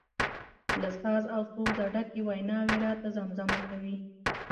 له ساز او سوزه ډکې ویناوي راته زمزمه کوي.